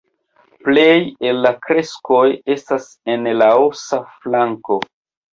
Plej el la krestoj estas en la Laosa flanko.